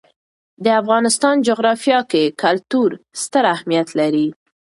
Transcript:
د افغانستان جغرافیه کې کلتور ستر اهمیت لري.